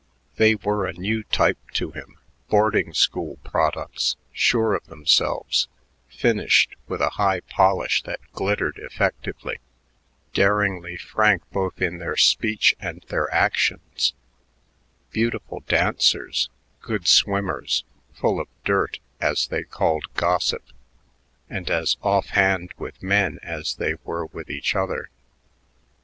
They were a new type to him, boarding school products, sure of themselves, "finished" with a high polish that glittered effectively, daringly frank both in their speech and their actions, beautiful dancers, good swimmers, full of "dirt," as they called gossip, and as offhand with men as they were with each other.